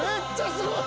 すごい。